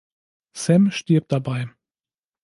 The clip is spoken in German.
Sam stirbt dabei.